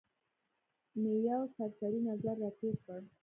مې یو سرسري نظر را تېر کړ.